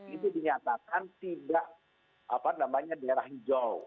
itu dinyatakan tidak apa namanya daerah hijau